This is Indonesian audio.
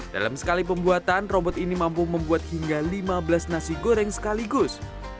dalam sekali pembuatan robot ini mampu membuat hingga lima belas nasi goreng sekaligus